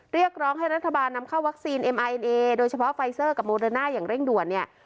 เรียกร้องให้รัฐบาลนำเข้าวัคซีนเอ็มไอเอ็นเอโดยเฉพาะไฟเซอร์กับโมเดอร์น่าอย่างเร่งด่วนเนี่ย